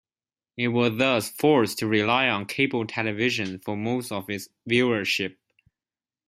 It was thus forced to rely on cable television for most of its viewership.